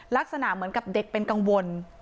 ลักษณะเหมือนกับเด็กเป็นกังวล